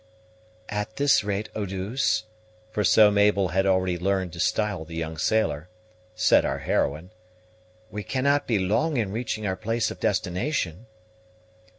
"At this rate, Eau douce," for so Mabel had already learned to style the young sailor, said our heroine, "we cannot be long in reaching our place of destination."